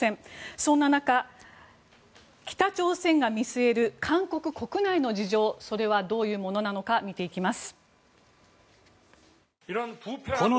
そんな中、北朝鮮が見据える韓国国内の事情それはどういうものなのか見ていきます。